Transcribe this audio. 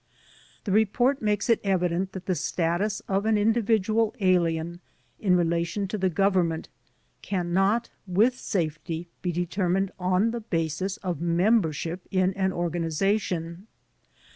The re port makes it evident that the status of an individual alien in relation to the Government cannot with safety be determined on the basis of membership in an organ INTRODUCTION 7 ization.